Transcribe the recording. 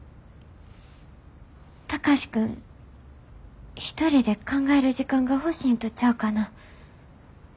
貴司君一人で考える時間が欲しいんとちゃうかな。